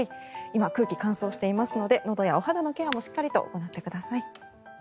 今、空気が乾燥していますのでのどやお肌のケアもしっかりと行ってください。